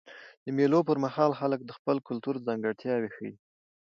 د مېلو پر مهال خلک د خپل کلتور ځانګړتیاوي ښیي.